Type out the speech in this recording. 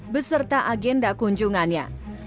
beserta agenda kunjungannya